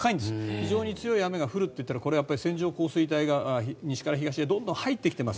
非常に激しい雨が降るということはこれはやっぱり線状降水帯が西から東へどんどん入ってきています。